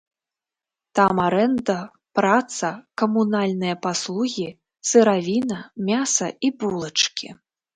Там арэнда, праца, камунальныя паслугі, сыравіна, мяса і булачкі.